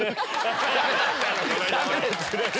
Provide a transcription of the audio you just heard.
ダメです！